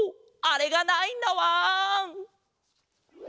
あれがないんだわん！